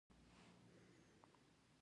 ته ولې له هغه سره ولاړ نه شوې؟ ما نه غوښتل.